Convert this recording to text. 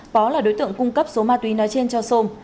pó là đối tượng cung cấp số ma túy nói trên cho xôm